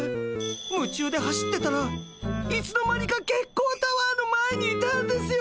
夢中で走ってたらいつの間にか月光タワーの前にいたんですよ！